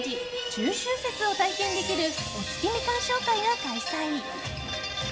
中秋節を体験できるお月見鑑賞会が開催。